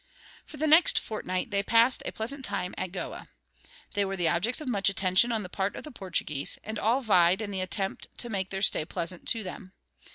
For the next fortnight they passed a pleasant time at Goa. They were the objects of much attention on the part of the Portuguese, and all vied in the attempt to make their stay pleasant to them.